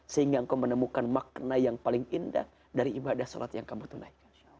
sehingga engkau menemukan makna yang paling indah dari ibadah sholat yang kamu tunaikan